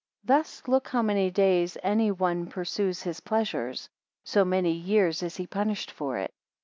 32 Thus look how many days any one pursues his pleasures, so many years is he punished for it.